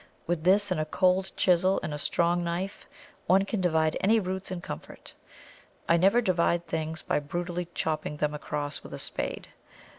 With this and a cold chisel and a strong knife one can divide any roots in comfort. I never divide things by brutally chopping them across with a spade.